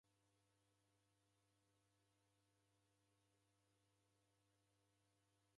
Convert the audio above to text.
Ghenda kuw'izere w'andu neka chienyi